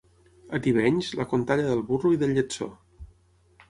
A Tivenys, la contalla del burro i del lletsó.